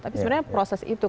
tapi sebenarnya proses itu